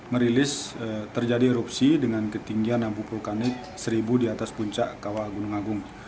merilis terjadi erupsi dengan ketinggian enam puluh di atas puncak kawa gunung agung